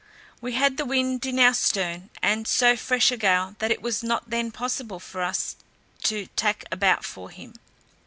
We had the wind in our stern, and so fresh a gale, that it was not then possible for us to tack about for him."